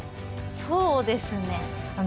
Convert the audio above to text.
そうですね。